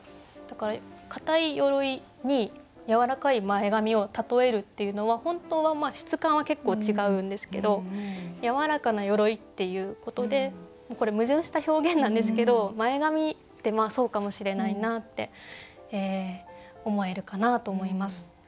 だから硬い鎧にやわらかい前髪を例えるっていうのは本当は質感は結構違うんですけど「やわらかな鎧」っていうことでこれ矛盾した表現なんですけど前髪ってそうかもしれないなって思えるかなと思います。